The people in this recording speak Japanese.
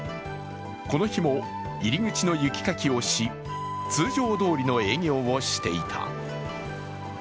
この日も入り口の雪かきをし、通常どおりの営業をしていた。